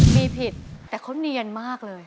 มีผิดแต่เขาเนียนมากเลย